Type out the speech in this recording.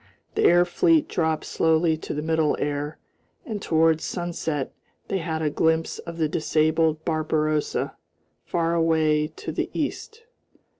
The air fleet dropped slowly to the middle air, and towards sunset they had a glimpse of the disabled Barbarossa far away to the east.